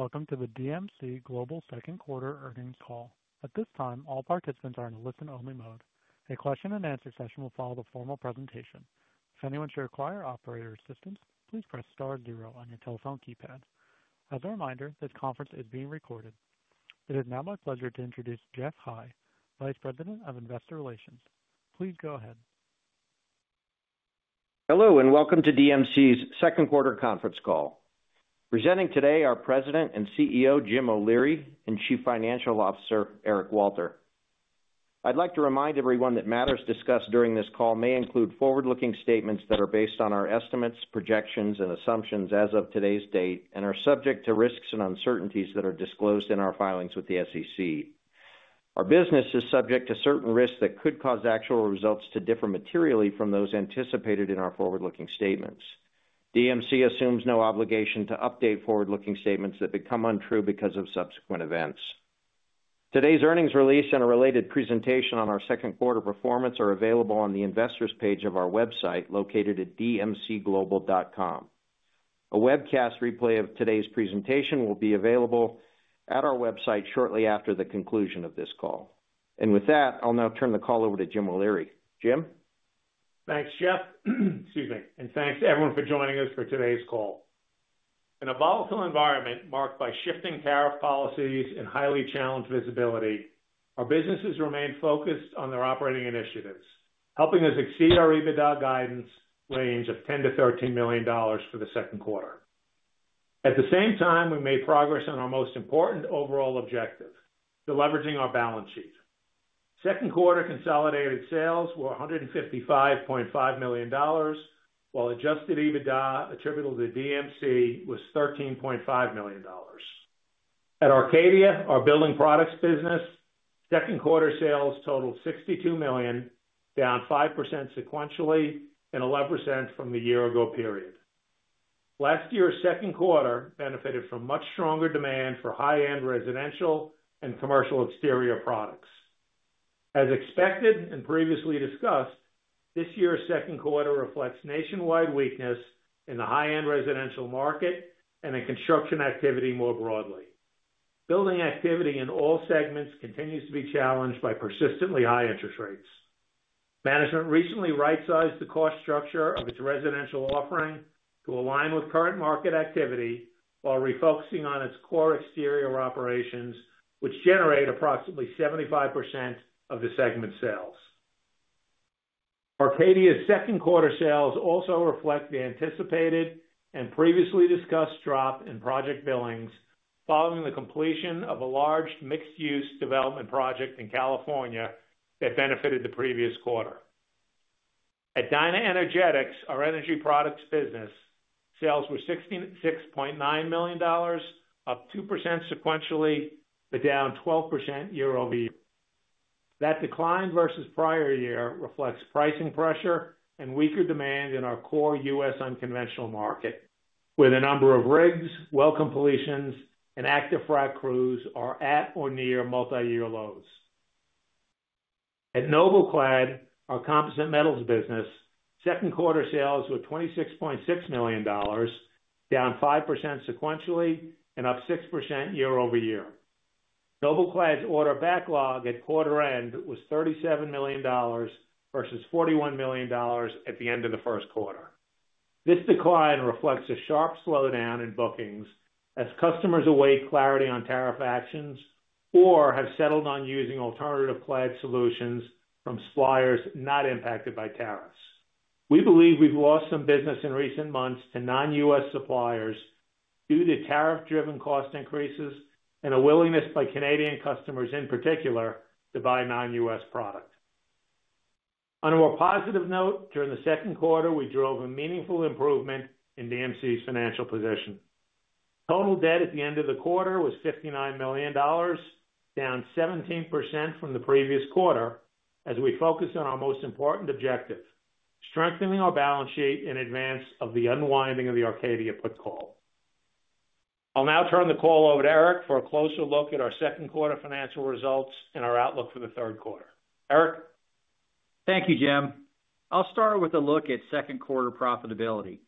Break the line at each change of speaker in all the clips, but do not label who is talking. Welcome to the DMC Global Second Quarter Earnings Call. At this time, all participants are in a listen-only mode. A question and answer session will follow the formal presentation. If anyone should require operator assistance, please press star zero on your telephone keypad. As a reminder, this conference is being recorded. It is now my pleasure to introduce Geoff High, Vice President of Investor Relations. Please go ahead.
Hello and welcome to DMC Global's second quarter conference call. Presenting today are President and CEO Jim O’Leary and Chief Financial Officer Eric Walter. I'd like to remind everyone that matters discussed during this call may include forward-looking statements that are based on our estimates, projections, and assumptions as of today's date and are subject to risks and uncertainties that are disclosed in our filings with the SEC. Our business is subject to certain risks that could cause actual results to differ materially from those anticipated in our forward-looking statements. DMC Global assumes no obligation to update forward-looking statements that become untrue because of subsequent events. Today's earnings release and a related presentation on our second quarter performance are available on the Investors page of our website located at dmcglobal.com. A webcast replay of today's presentation will be available at our website shortly after the conclusion of this call. With that, I'll now turn the call over to Jim O’Leary. Jim?
Thanks, Geoff. Thanks to everyone for joining us for today's call. In a volatile environment marked by shifting tariff policies and highly challenged visibility, our businesses remain focused on their operating initiatives, helping us exceed our EBITDA guidance range of $10 million - $13 million for the second quarter. At the same time, we made progress on our most important overall objective: leveraging our balance sheet. Second quarter consolidated sales were $155.5 million, while adjusted EBITDA attributable to DMC was $13.5 million. At Arcadia, our building products business, second quarter sales totaled $62 million, down 5% sequentially and 11% from the year-ago period. Last year's second quarter benefited from much stronger demand for high-end residential and commercial exterior products. As expected and previously discussed, this year's second quarter reflects nationwide weakness in the high-end residential market and in construction activity more broadly. Building activity in all segments continues to be challenged by persistently high interest rates. Management recently right-sized the cost structure of its residential offering to align with current market activity while refocusing on its core exterior operations, which generate approximately 75% of the segment sales. Arcadia's second quarter sales also reflect the anticipated and previously discussed drop in project billings following the completion of a large mixed-use development project in California that benefited the previous quarter. At DynaEnergetics, our energy products business, sales were $66.9 million, up 2% sequentially, but down 12% year-over-year. That decline versus prior year reflects pricing pressure and weaker demand in our core U.S. unconventional market, where the number of rigs, well completions, and active frac crews are at or near multi-year lows. At NobelClad, our composite metals business, second quarter sales were $26.6 million, down 5% sequentially and up 6% year-over-year. NobelClad's order backlog at quarter end was $37 million versus $41 million at the end of the first quarter. This decline reflects a sharp slowdown in bookings as customers await clarity on tariff actions or have settled on using alternative clad solutions from suppliers not impacted by tariffs. We believe we've lost some business in recent months to non-U.S. suppliers due to tariff-driven cost increases and a willingness by Canadian customers in particular to buy non-U.S. products. On a more positive note, during the second quarter, we drove a meaningful improvement in DMC's financial position. Total debt at the end of the quarter was $59 million, down 17% from the previous quarter, as we focused on our most important objective: strengthening our balance sheet in advance of the unwinding of the Arcadia put call. I'll now turn the call over to Eric for a closer look at our second quarter financial results and our outlook for the third quarter. Eric?
Thank you, Jim. I'll start with a look at second quarter profitability.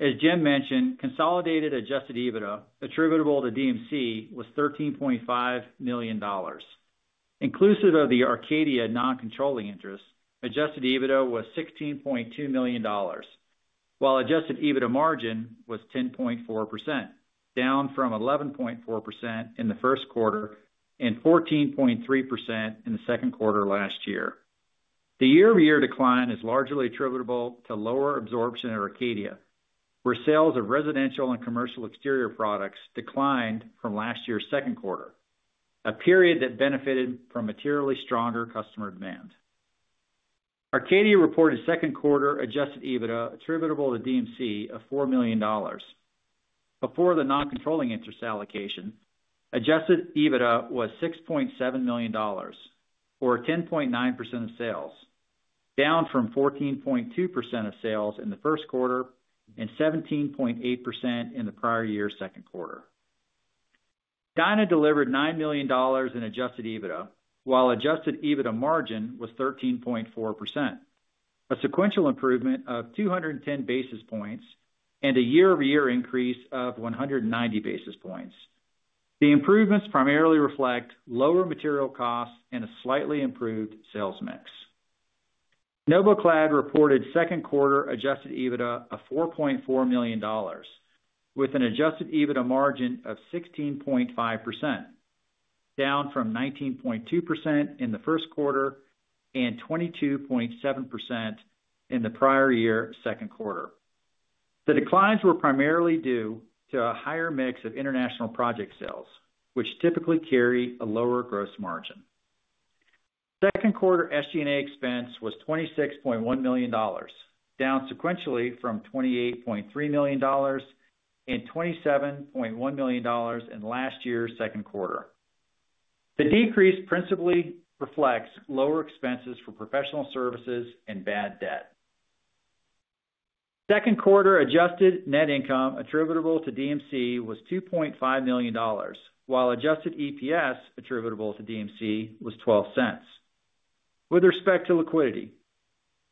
As Jim mentioned, consolidated adjusted EBITDA attributable to DMC Global was $13.5 million. Inclusive of the Arcadia non-controlling interest, adjusted EBITDA was $16.2 million, while adjusted EBITDA margin was 10.4%, down from 11.4% in the first quarter and 14.3% in the second quarter last year. The year-over-year decline is largely attributable to lower absorption at Arcadia, where sales of residential and commercial exterior products declined from last year's second quarter, a period that benefited from materially stronger customer demand. Arcadia reported second quarter adjusted EBITDA attributable to DMC Global of $4 million. Before the non-controlling interest allocation, adjusted EBITDA was $6.7 million, or 10.9% of sales, down from 14.2% of sales in the first quarter and 17.8% in the prior year's second quarter. DynaEnergetics delivered $9 million in adjusted EBITDA, while adjusted EBITDA margin was 13.4%, a sequential improvement of 210 basis points and a year-over-year increase of 190 basis points. The improvements primarily reflect lower material costs and a slightly improved sales mix. NobelClad reported second quarter adjusted EBITDA of $4.4 million, with an adjusted EBITDA margin of 16.5%, down from 19.2% in the first quarter and 22.7% in the prior year's second quarter. The declines were primarily due to a higher mix of international project sales, which typically carry a lower gross margin. Second quarter SG&A expense was $26.1 million, down sequentially from $28.3 million and $27.1 million in last year's second quarter. The decrease principally reflects lower expenses for professional services and bad debt. Second quarter adjusted net income attributable to DMC Global was $2.5 million, while adjusted EPS attributable to DMC Global was $0.12. With respect to liquidity,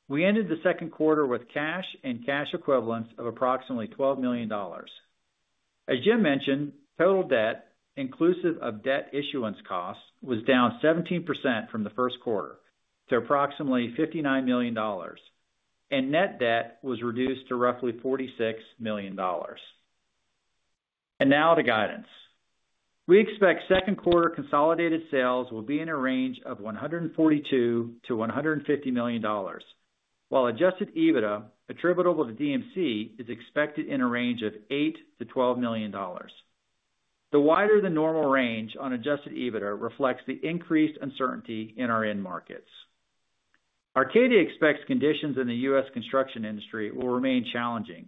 we ended the second quarter with cash and cash equivalents of approximately $12 million. As Jim mentioned, total debt, inclusive of debt issuance costs, was down 17% from the first quarter to approximately $59 million, and net debt was reduced to roughly $46 million. Now to guidance. We expect second quarter consolidated sales will be in a range of $142 million - $150 million, while adjusted EBITDA attributable to DMC Global is expected in a range of $8 million - $12 million. The wider than normal range on adjusted EBITDA reflects the increased uncertainty in our end markets. Arcadia expects conditions in the U.S. Construction industry will remain challenging,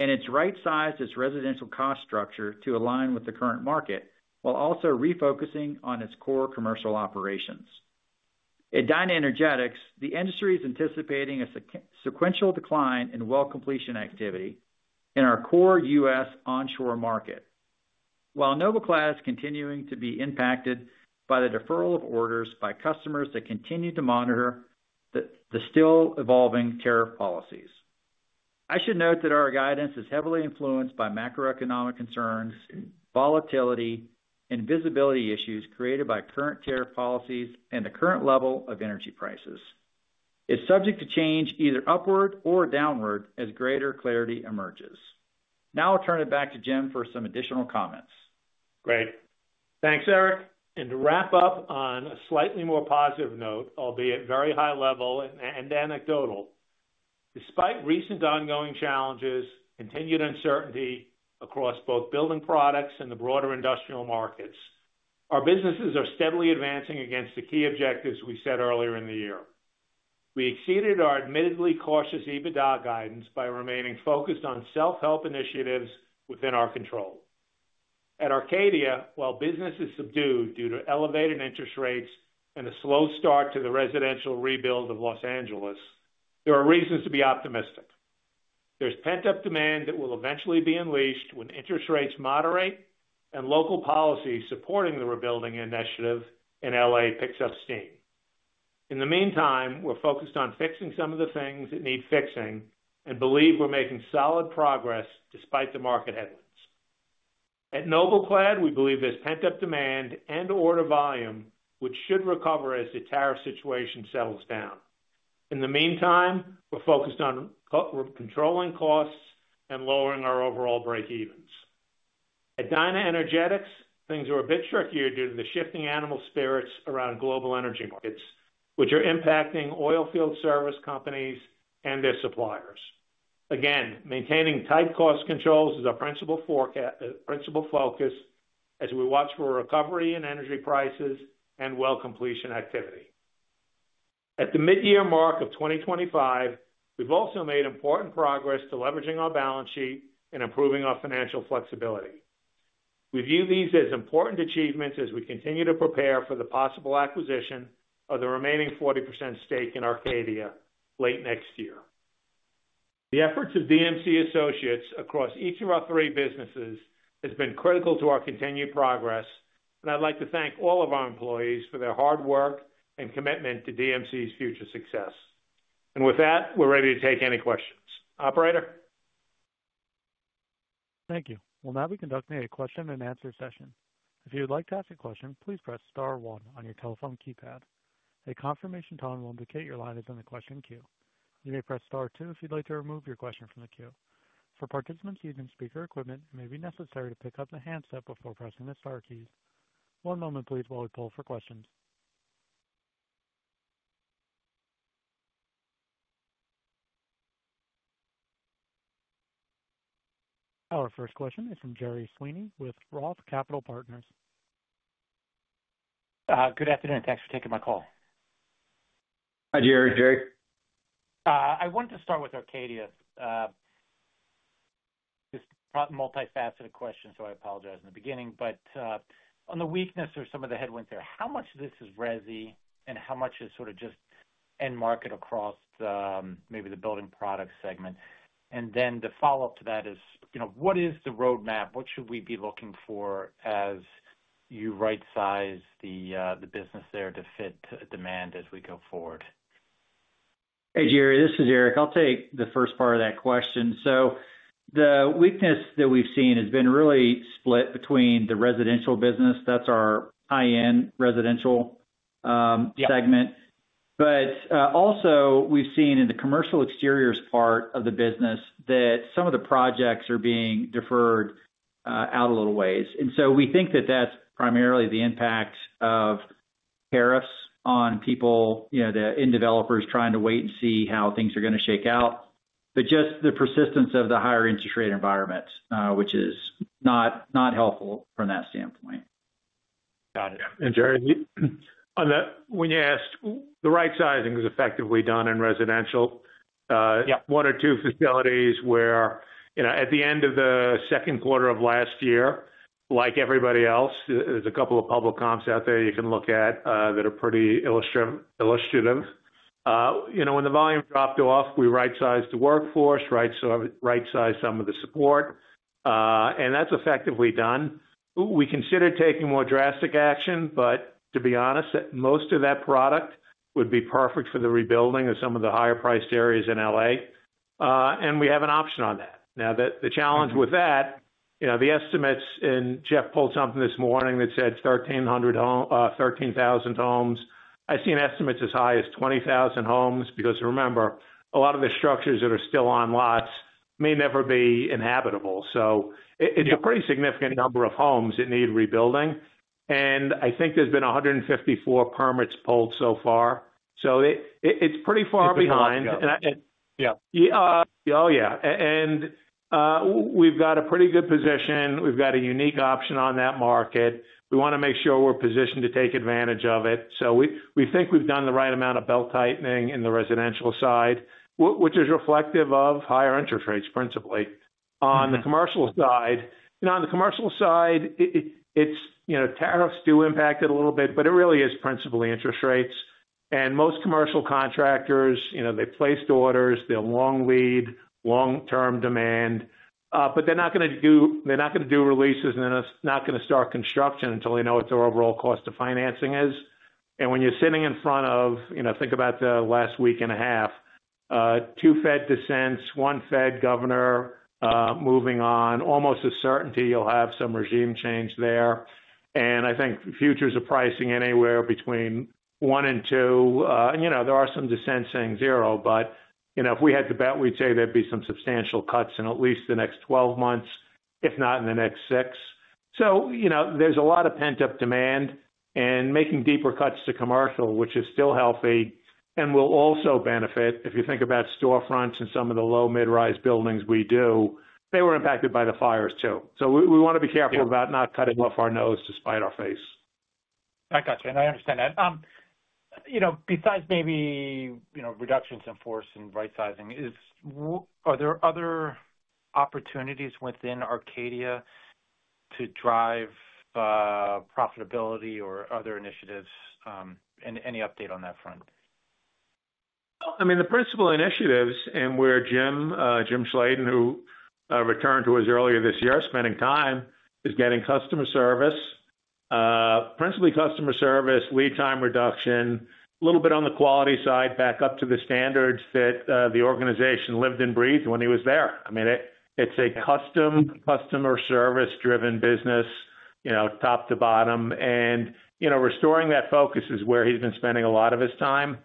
and it's right-sized its residential cost structure to align with the current market, while also refocusing on its core commercial operations. At DynaEnergetics, the industry is anticipating a sequential decline in well-completion activity in our core U.S. onshore market, while NobelClad is continuing to be impacted by the deferral of orders by customers that continue to monitor the still evolving tariff policies. I should note that our guidance is heavily influenced by macroeconomic concerns, volatility, and visibility issues created by current tariff policies and the current level of energy prices. It's subject to change either upward or downward as greater clarity emerges. Now I'll turn it back to Jim for some additional comments.
Great. Thanks, Eric. To wrap up on a slightly more positive note, albeit very high level and anecdotal, despite recent ongoing challenges and continued uncertainty across both building products and the broader industrial markets, our businesses are steadily advancing against the key objectives we set earlier in the year. We exceeded our admittedly cautious EBITDA guidance by remaining focused on self-help initiatives within our control. At Arcadia, while business is subdued due to elevated interest rates and a slow start to the residential rebuild of Los Angeles, there are reasons to be optimistic. There's pent-up demand that will eventually be unleashed when interest rates moderate and local policies supporting the rebuilding initiative in Los Angeles pick up steam. In the meantime, we're focused on fixing some of the things that need fixing and believe we're making solid progress despite the market headlines. At NobelClad, we believe there's pent-up demand and order volume, which should recover as the tariff situation settles down. In the meantime, we're focused on controlling costs and lowering our overall breakevens. At DynaEnergetics, things are a bit trickier due to the shifting animal spirits around global energy markets, which are impacting oilfield service companies and their suppliers. Again, maintaining tight cost controls is our principal focus as we watch for recovery in energy prices and welcome policing activity. At the mid-year mark of 2025, we've also made important progress to leveraging our balance sheet and improving our financial flexibility. We view these as important achievements as we continue to prepare for the possible acquisition of the remaining 40% stake in Arcadia late next year. The efforts of DMC Associates across each of our three businesses have been critical to our continued progress, and I'd like to thank all of our employees for their hard work and commitment to DMC's future success. With that, we're ready to take any questions. Operator?
Thank you. We'll now be conducting a question and answer session. If you would like to ask a question, please press star one on your telephone keypad. A confirmation tone will indicate your line is in the question queue. You may press star two if you'd like to remove your question from the queue. For participants using speaker equipment, it may be necessary to pick up the handset before pressing the star keys. One moment, please, while we pull for questions. Our first question is from Gerry Sweeney with ROTH Capital Partners.
Good afternoon. Thanks for taking my call.
Hi, Gerry.
I wanted to start with Arcadia. This is a multifaceted question, so I apologize in the beginning. On the weakness or some of the headwinds there, how much of this is resi and how much is sort of just end market across maybe the building products segment? The follow-up to that is, you know, what is the roadmap? What should we be looking for as you right-size the business there to fit demand as we go forward?
Hey, Gerry. This is Eric. I'll take the first part of that question. The weakness that we've seen has been really split between the residential business, that's our high-end residential segment, but also we've seen in the commercial exteriors part of the business that some of the projects are being deferred out a little ways. We think that that's primarily the impact of tariffs on people, you know, the developers trying to wait and see how things are going to shake out, just the persistence of the higher interest rate environment, which is not helpful from that standpoint.
Got it. Gerry, when you asked, the right-sizing was effectively done in residential, one or two facilities where, at the end of the second quarter of last year, like everybody else, there are a couple of public comps out there you can look at that are pretty illustrative. When the volume dropped off, we right-sized the workforce, right-sized some of the support, and that's effectively done. We considered taking more drastic action, but to be honest, most of that product would be perfect for the rebuilding of some of the higher-priced areas in L.A., and we have an option on that. The challenge with that, the estimates, and Geoff pulled something this morning that said 13,000 homes. I've seen estimates as high as 20,000 homes because remember, a lot of the structures that are still on lots may never be inhabitable. It's a pretty significant number of homes that need rebuilding. I think there's been 154 permits pulled so far. It's pretty far behind.
Yeah.
Oh, yeah. We've got a pretty good position. We've got a unique option on that market. We want to make sure we're positioned to take advantage of it. We think we've done the right amount of belt tightening in the residential side, which is reflective of higher interest rates principally. On the commercial side, tariffs do impact it a little bit, but it really is principally interest rates. Most commercial contractors have placed orders. They'll long lead long-term demand, but they're not going to do releases and they're not going to start construction until they know what their overall cost of financing is. When you're sitting in front of, think about the last week and a half, two Fed dissents, one Fed governor moving on, almost a certainty you'll have some regime change there. I think futures are pricing anywhere between one and two. There are some dissents saying zero, but if we had to bet, we'd say there'd be some substantial cuts in at least the next 12 months, if not in the next six. There's a lot of pent-up demand and making deeper cuts to commercial, which is still healthy and will also benefit. If you think about storefronts and some of the low mid-rise buildings we do, they were impacted by the fires too. We want to be careful about not cutting off our nose to spite our face.
I understand that. Besides maybe reductions in force and right-sizing, are there other opportunities within Arcadia to drive profitability or other initiatives, and any update on that front?
The principal initiatives and where Jim Schladen, who returned to us earlier this year, is spending time is getting customer service, principally customer service, lead time reduction, a little bit on the quality side, back up to the standards that the organization lived and breathed when he was there. It's a custom customer service-driven business, top to bottom. Restoring that focus is where he's been spending a lot of his time.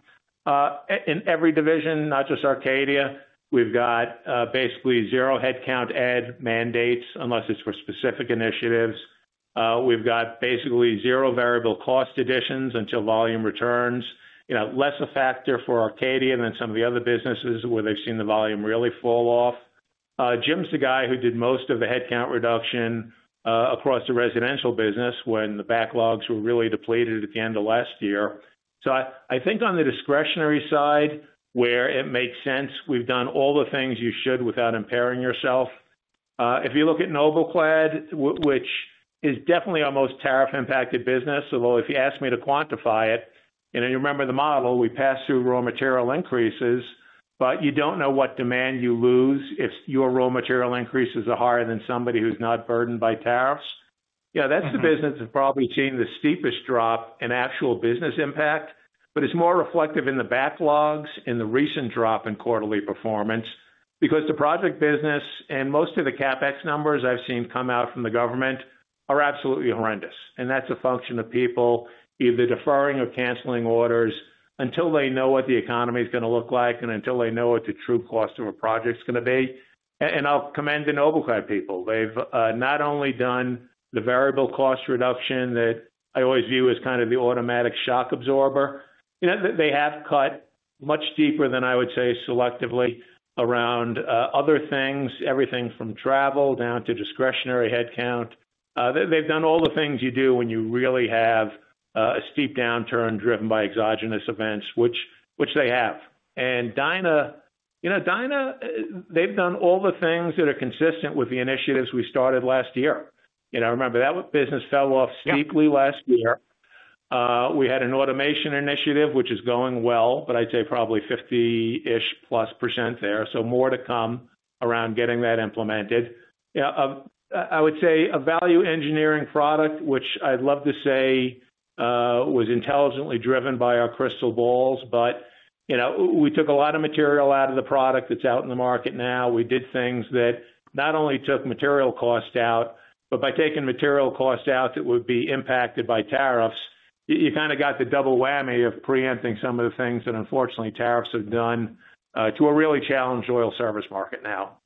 In every division, not just Arcadia, we've got basically zero headcount add mandates unless it's for specific initiatives. We've got basically zero variable cost additions until volume returns, which is less a factor for Arcadia than some of the other businesses where they've seen the volume really fall off. Jim's the guy who did most of the headcount reduction across the residential business when the backlogs were really depleted at the end of last year. I think on the discretionary side where it makes sense, we've done all the things you should without impairing yourself. If you look at NobelClad, which is definitely our most tariff-impacted business, although if you ask me to quantify it, you remember the model we pass through raw material increases, but you don't know what demand you lose if your raw material increases are higher than somebody who's not burdened by tariffs. That's the business that's probably seen the steepest drop in actual business impact, but it's more reflective in the backlogs and the recent drop in quarterly performance because the project business and most of the CapEx numbers I've seen come out from the government are absolutely horrendous. That's a function of people either deferring or canceling orders until they know what the economy is going to look like and until they know what the true cost of a project is going to be. I'll commend the NobelClad people. They've not only done the variable cost reduction that I always view as kind of the automatic shock absorber, they have cut much deeper than I would say selectively around other things, everything from travel down to discretionary headcount. They've done all the things you do when you really have a steep downturn driven by exogenous events, which they have. Dyner, they've done all the things that are consistent with the initiatives we started last year. Remember that business fell off steeply last year. We had an automation initiative, which is going well, but I'd say probably 50%+ there. More to come around getting that implemented. I would say a value engineering product, which I'd love to say was intelligently driven by our crystal balls, but we took a lot of material out of the product that's out in the market now. We did things that not only took material cost out, but by taking material cost out that would be impacted by tariffs, you kind of got the double whammy of preempting some of the things that unfortunately tariffs have done to a really challenged oil service market now.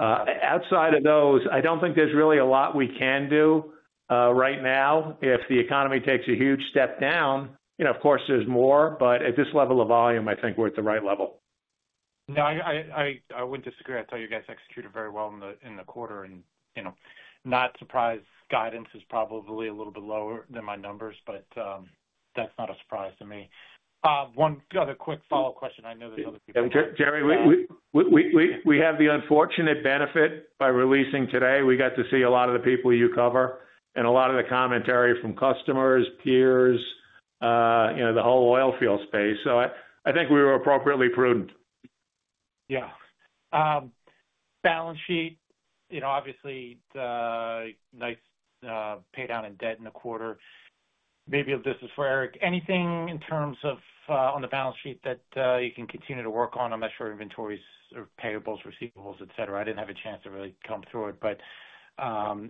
Outside of those, I don't think there's really a lot we can do right now. If the economy takes a huge step down, of course there's more, but at this level of volume, I think we're at the right level.
No, I wouldn't disagree. I thought you guys executed very well in the quarter and, you know, not surprised. Guidance is probably a little bit lower than my numbers, but that's not a surprise to me. One other quick follow-up question. I know there's other.
Gerry, we have the unfortunate benefit by releasing today, we got to see a lot of the people you cover and a lot of the commentary from customers, peers, you know, the whole oilfield space. I think we were appropriately prudent.
Yeah. Balance sheet, you know, obviously the nice paydown in debt in the quarter. Maybe if this is for Eric, anything in terms of on the balance sheet that you can continue to work on? I'm not sure inventories, payables, receivables, etc. I didn't have a chance to really come through it, but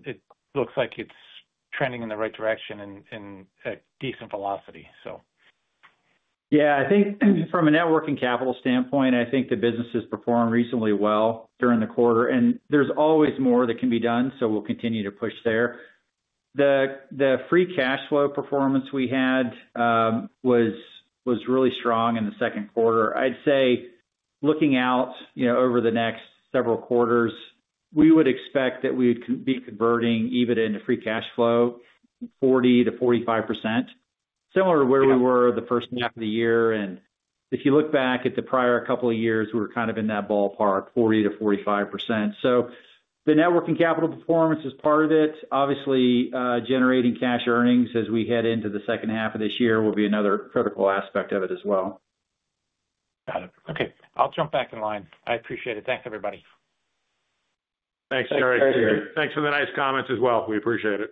it looks like it's trending in the right direction and at decent velocity.
I think from a networking capital standpoint, the business has performed reasonably well during the quarter and there's always more that can be done. We'll continue to push there. The free cash flow performance we had was really strong in the second quarter. Looking out, you know, over the next several quarters, we would expect that we would be converting EBITDA into free cash flow, 40% - 45%. Similar to where we were the first half of the year. If you look back at the prior couple of years, we were kind of in that ballpark, 40% - 45%. The networking capital performance is part of it. Obviously, generating cash earnings as we head into the second half of this year will be another critical aspect of it as well.
Got it. Okay, I'll jump back in line. I appreciate it. Thanks, everybody.
Thanks, Gerry. Thanks for the nice comments as well. We appreciate it.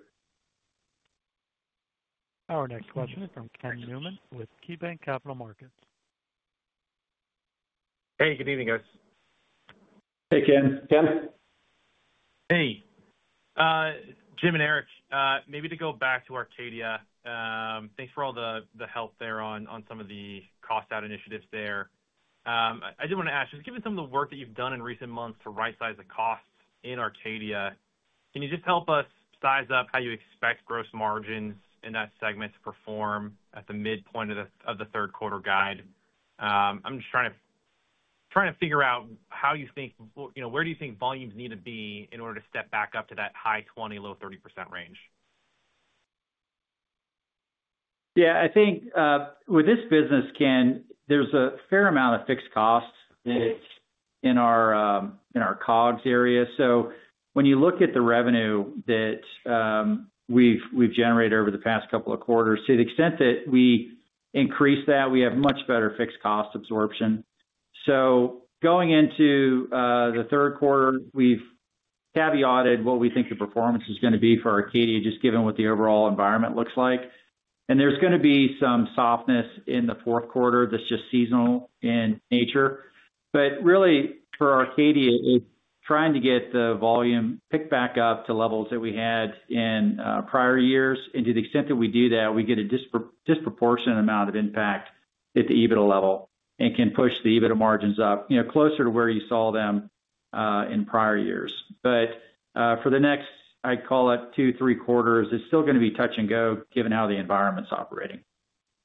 Our next question is from Ken Newman with KeyBanc Capital Markets.
Hey, good evening, guys.
Hey, Ken.
Hey. Jim and Eric, maybe to go back to Arcadia, thanks for all the help there on some of the cost-out initiatives there. I did want to ask, just given some of the work that you've done in recent months to right-size the costs in Arcadia, can you just help us size up how you expect gross margins in that segment to perform at the midpoint of the third quarter guide? I'm just trying to figure out how you think, you know, where do you think volumes need to be in order to step back up to that high 20%, low 30% range?
Yeah, I think with this business, Ken, there's a fair amount of fixed costs in our COGS area. When you look at the revenue that we've generated over the past couple of quarters, to the extent that we increase that, we have much better fixed cost absorption. Going into the third quarter, we've caveated what we think the performance is going to be for Arcadia, just given what the overall environment looks like. There's going to be some softness in the fourth quarter that's just seasonal in nature. Really, for Arcadia, it's trying to get the volume picked back up to levels that we had in prior years. To the extent that we do that, we get a disproportionate amount of impact at the EBITDA level and can push the EBITDA margins up, you know, closer to where you saw them in prior years. For the next, I'd call it two, three quarters, it's still going to be touch and go given how the environment's operating.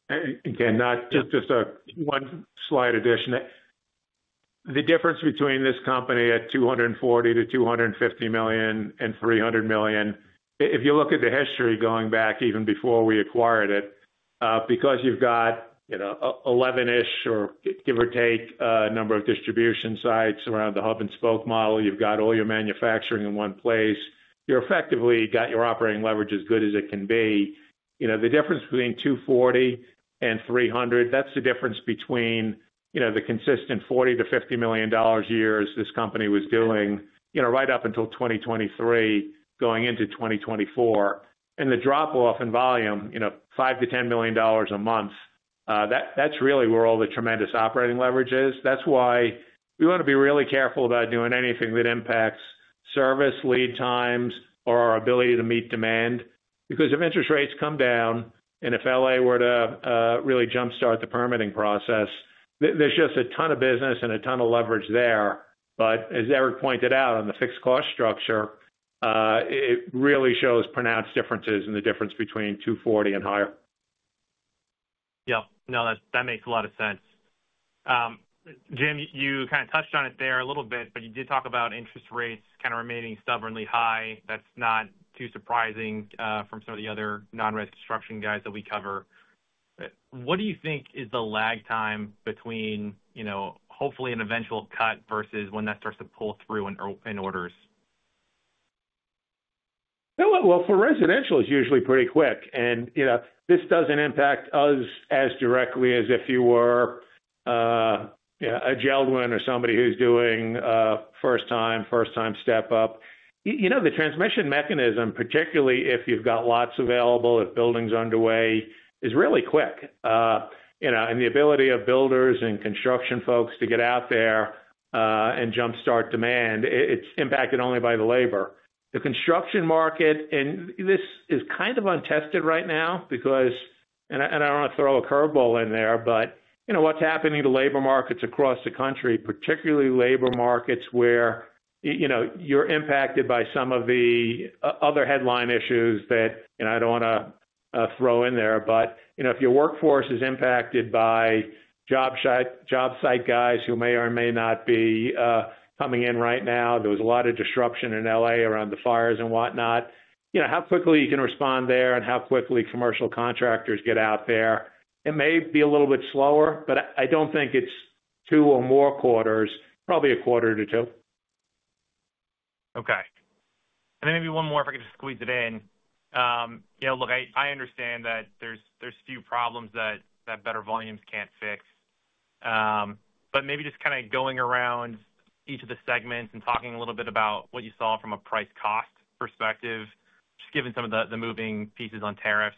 Ken, not just a one slide addition. The difference between this company at $240 million - $250 million and $300 million, if you look at the history going back even before we acquired it, because you've got, you know, 11-ish or give or take a number of distribution sites around the hub and spoke model, you've got all your manufacturing in one place, you've effectively got your operating leverage as good as it can be. The difference between $240 million and $300 million, that's the difference between, you know, the consistent $40 million - $50 million a year as this company was doing, you know, right up until 2023, going into 2024. The drop-off in volume, you know, $5 million - $10 million a month, that's really where all the tremendous operating leverage is. That is why we want to be really careful about doing anything that impacts service, lead times, or our ability to meet demand. If interest rates come down and if L.A. were to really jumpstart the permitting process, there's just a ton of business and a ton of leverage there. As Eric pointed out on the fixed cost structure, it really shows pronounced differences in the difference between $240 million and higher.
Yeah, no, that makes a lot of sense. Jim, you kind of touched on it there a little bit, but you did talk about interest rates kind of remaining stubbornly high. That's not too surprising from some of the other non-res construction guys that we cover. What do you think is the lag time between, you know, hopefully an eventual cut versus when that starts to pull through in orders?
For residential, it's usually pretty quick. This doesn't impact us as directly as if you were a gentleman or somebody who's doing first-time, first-time step-up. The transmission mechanism, particularly if you've got lots available, if building's underway, is really quick. The ability of builders and construction folks to get out there and jumpstart demand is impacted only by the labor. The construction market, and this is kind of untested right now because, I don't want to throw a curveball in there, but what's happening to labor markets across the country, particularly labor markets where you're impacted by some of the other headline issues that, I don't want to throw in there, but if your workforce is impacted by job site guys who may or may not be coming in right now, there was a lot of disruption in L.A. around the fires and whatnot. How quickly you can respond there and how quickly commercial contractors get out there, it may be a little bit slower, but I don't think it's two or more quarters, probably a quarter to two.
Okay. Maybe one more if I could just squeeze it in. You know, look, I understand that there's few problems that better volumes can't fix. Maybe just kind of going around each of the segments and talking a little bit about what you saw from a price-cost perspective, just given some of the moving pieces on tariffs.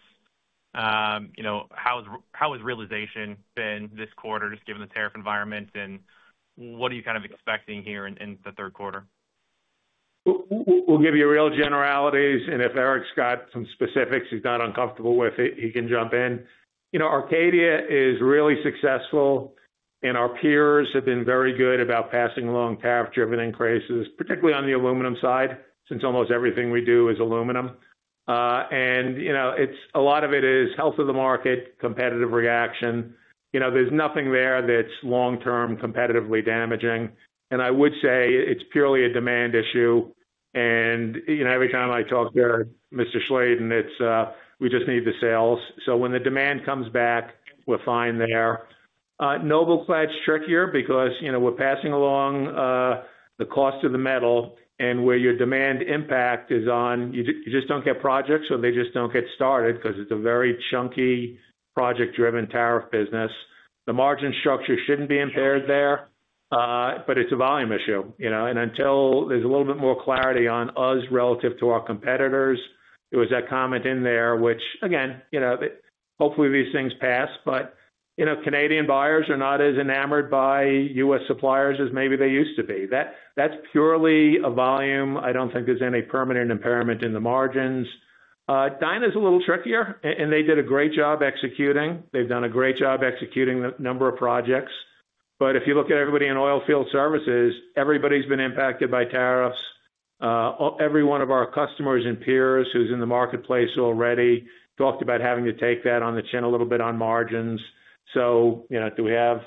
You know, how has realization been this quarter, just given the tariff environment, and what are you kind of expecting here in the third quarter?
We'll give you real generalities, and if Eric's got some specifics he's not uncomfortable with, he can jump in. You know, Arcadia is really successful, and our peers have been very good about passing along tariff-driven increases, particularly on the aluminum side, since almost everything we do is aluminum. A lot of it is health of the market, competitive reaction. There's nothing there that's long-term competitively damaging. I would say it's purely a demand issue. Every time I talk to Mr. Schladen, it's, we just need the sales. When the demand comes back, we're fine there. NobelClad's trickier because we're passing along the cost of the metal and where your demand impact is on, you just don't get projects or they just don't get started because it's a very chunky project-driven tariff business. The margin structure shouldn't be impaired there, but it's a volume issue. Until there's a little bit more clarity on us relative to our competitors, there was that comment in there, which again, hopefully these things pass, but Canadian buyers are not as enamored by U.S. suppliers as maybe they used to be. That's purely a volume. I don't think there's any permanent impairment in the margins. DynaEnergetics is a little trickier, and they did a great job executing. They've done a great job executing the number of projects. If you look at everybody in oilfield services, everybody's been impacted by tariffs. Every one of our customers and peers who's in the marketplace already talked about having to take that on the chin a little bit on margins. Do we have,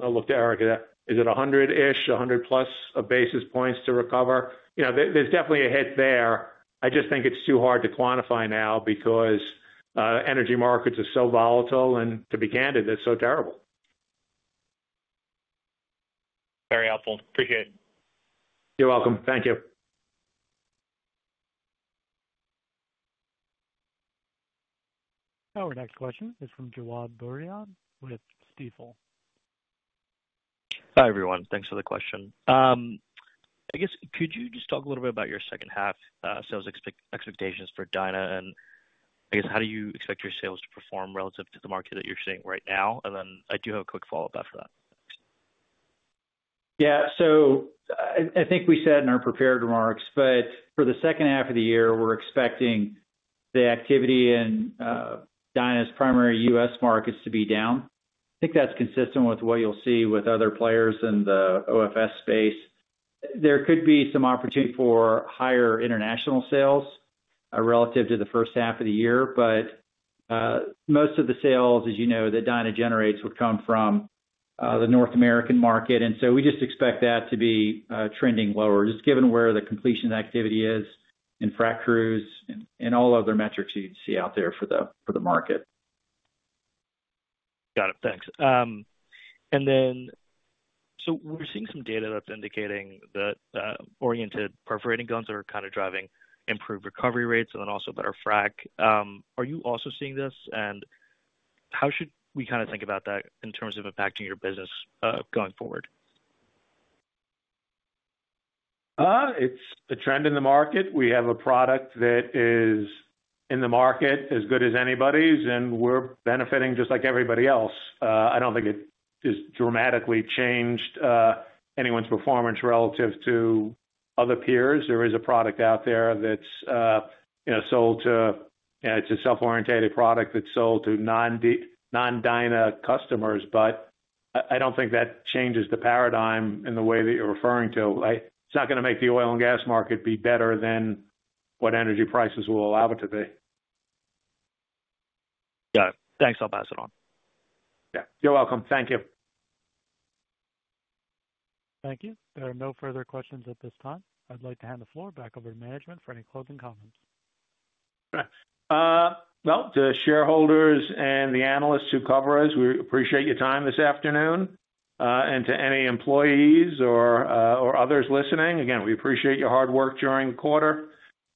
I'll look to Eric, is it 100-ish, 100+ basis points to recover? There's definitely a hit there. I just think it's too hard to quantify now because energy markets are so volatile and to be candid, they're so terrible.
Very helpful. Appreciate it.
You're welcome. Thank you.
Our next question is from Jawad Bhuiyan with Stifel.
Hi everyone. Thanks for the question. Could you just talk a little bit about your second half sales expectations for DynaEnergetics and how do you expect your sales to perform relative to the market that you're sitting right now? I do have a quick follow-up after that.
I think we said in our prepared remarks, for the second half of the year, we're expecting the activity in DynaEnergetics' primary U.S. markets to be down. I think that's consistent with what you'll see with other players in the OFS space. There could be some opportunity for higher international sales relative to the first half of the year, but most of the sales, as you know, that DynaEnergetics generates would come from the North American market. We just expect that to be trending lower, given where the completion activity is in frac crews and all other metrics you'd see out there for the market.
Got it. Thanks. We're seeing some data that's indicating that oriented perforating guns are kind of driving improved recovery rates and also better frac. Are you also seeing this? How should we kind of think about that in terms of impacting your business going forward?
It's a trend in the market. We have a product that is in the market as good as anybody's, and we're benefiting just like everybody else. I don't think it has dramatically changed anyone's performance relative to other peers. There is a product out there that's sold to, it's a self-orientated product that's sold to non-DynaEnergetics customers, but I don't think that changes the paradigm in the way that you're referring to. It's not going to make the oil and gas market be better than what energy prices will allow it to be.
Got it. Thanks. I'll pass it on.
Yeah, you're welcome. Thank you.
Thank you. There are no further questions at this time. I'd like to hand the floor back over to management for any closing comments.
To shareholders and the analysts who cover us, we appreciate your time this afternoon. To any employees or others listening, again, we appreciate your hard work during the quarter.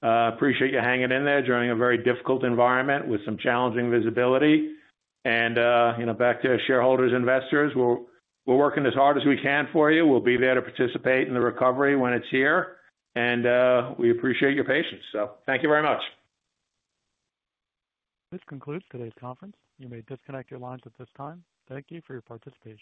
We appreciate you hanging in there during a very difficult environment with some challenging visibility. Back to shareholders and investors, we're working as hard as we can for you. We'll be there to participate in the recovery when it's here, and we appreciate your patience. Thank you very much.
This concludes today's conference. You may disconnect your lines at this time. Thank you for your participation.